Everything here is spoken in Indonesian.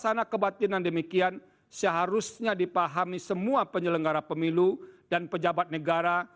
suasana kebatinan demikian seharusnya dipahami semua penyelenggara pemilu dan pejabat negara